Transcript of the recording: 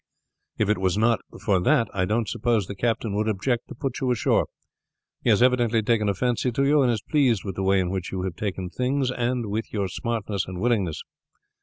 "If it was not for that I don't suppose the captain would object to put you ashore. He has evidently taken a fancy to you, and is pleased with the way in which you have taken things and with your smartness and willingness.